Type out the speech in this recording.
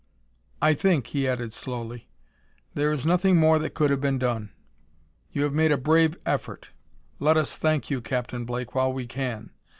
"I think," he added slowly, "there is nothing more that could have been done: you have made a brave effort. Let us thank you, Captain Blake, while we can.